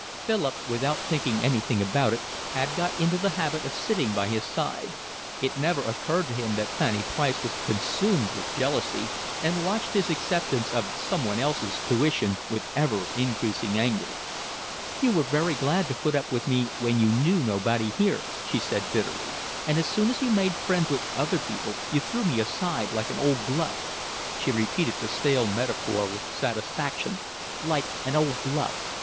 Philip, without thinking anything about it, had got into the habit of sitting by his side; it never occurred to him that Fanny Price was consumed with jealousy, and watched his acceptance of someone else's tuition with ever increasing anger. "You were very glad to put up with me when you knew nobody here," she said bitterly, "and as soon as you made friends with other people you threw me aside, like an old glove"—she repeated the stale metaphor with satisfaction—"like an old glove.